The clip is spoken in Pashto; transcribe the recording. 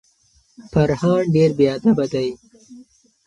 فرهان ډیر بیادبه دی.